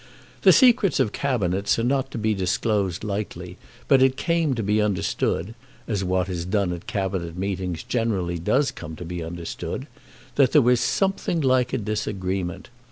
The secrets of Cabinets are not to be disclosed lightly, but it came to be understood, as what is done at Cabinet meetings generally does come to be understood, that there was something like a disagreement.